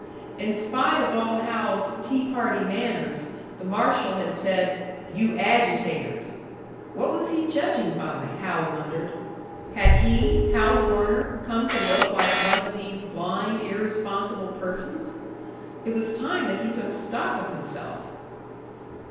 In spite of all Hal's "tea party manners," the marshal had said, "You agitators!" What was he judging by, Hal wondered. Had he, Hal Warner, come to look like one of these blind, irresponsible persons? It was time that he took stock of himself!